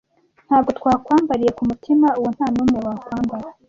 Ntabwo twakwambariye kumutima uwo ntanumwe wakwambara?